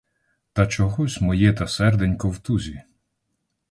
Та чогось моє та серденько в тузі.